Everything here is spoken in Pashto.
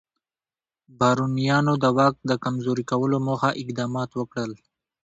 بارونیانو د واک د کمزوري کولو موخه اقدامات وکړل.